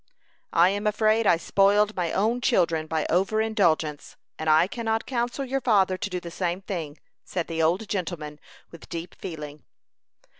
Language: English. "I am afraid I spoiled my own children by over indulgence, and I cannot counsel your father to do the same thing," said the old gentleman, with deep feeling.